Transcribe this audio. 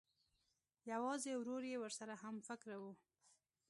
یوازې ورور یې ورسره همفکره و